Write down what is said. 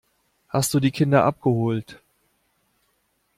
Hast du die Kinder abgeholt.